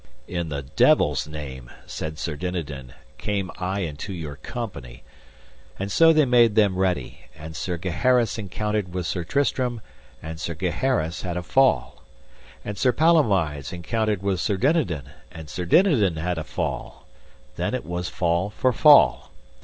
In the devil's name, said Sir Dinadan, came I into your company. And so they made them ready; and Sir Gaheris encountered with Sir Tristram, and Sir Gaheris had a fall; and Sir Palomides encountered with Sir Dinadan, and Sir Dinadan had a fall: then was it fall for fall.